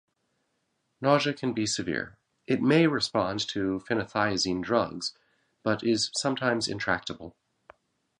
Nausea can be severe; it may respond to phenothiazine drugs but is sometimes intractable.